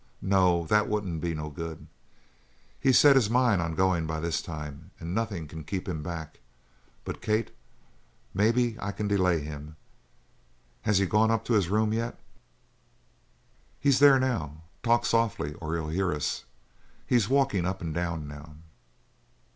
"No, that wouldn't be no good. He's set his mind on going by this time, and nothing can keep him back. But Kate, maybe I can delay him. Has he gone up to his room yet?" "He's in there now. Talk softly or he'll hear us. He's walking up and down, now."